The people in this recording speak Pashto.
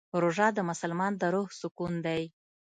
روژه د مسلمان د روح سکون دی.